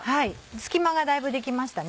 隙間がだいぶできましたね。